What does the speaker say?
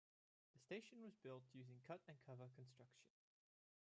The station was built using cut and cover construction.